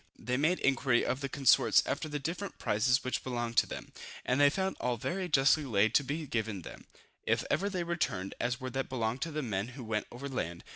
They made inquiry of their consorts after the different prizes which belonged to them, and they found all very justly laid by to be given them, if ever they returned, as were what belonged to the men who went over land.